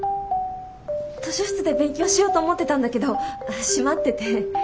図書室で勉強しようと思ってたんだけど閉まってて。